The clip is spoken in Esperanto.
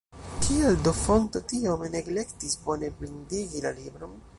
Kial do Fonto tiome neglektis bone bindigi la libron?